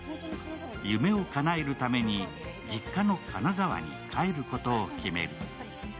夢をかなえるために実家の金沢に帰ることを決める。